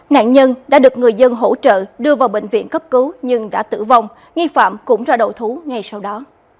nạn nhân đã được người dân hỗ trợ đưa vào bệnh viện cấp cứu nhưng đã tử vong nghi phạm cũng ra đổ thú ngay sau đó